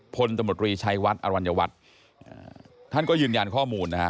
พลตำรวจรีชัยวัดอรัญวัฒน์ท่านก็ยืนยันข้อมูลนะฮะ